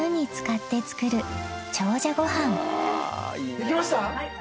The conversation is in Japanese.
できました？